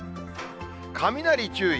雷注意。